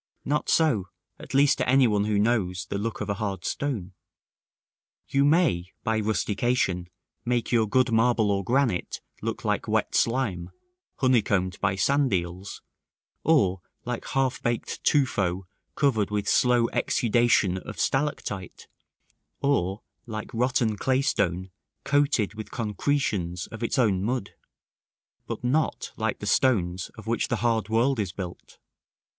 Not so; at least to any one who knows the look of a hard stone. You may, by rustication, make your good marble or granite look like wet slime, honeycombed by sand eels, or like half baked tufo covered with slow exudation of stalactite, or like rotten claystone coated with concretions of its own mud; but not like the stones of which the hard world is built.